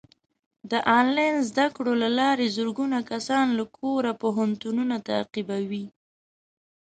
د آنلاین زده کړو له لارې زرګونه کسان له کوره پوهنتونونه تعقیبوي.